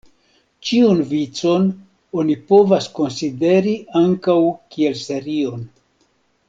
Ĉiun vicon oni povas konsideri ankaŭ kiel serion.